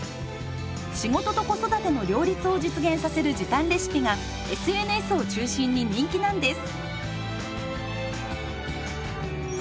仕事と子育ての両立を実現させる時短レシピがＳＮＳを中心に人気なんです。